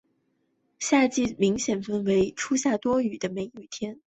夏季明显分为初夏多雨的梅雨天和盛夏的伏旱天两段。